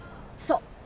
そう。